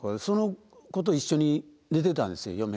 その子と一緒に寝てたんですよ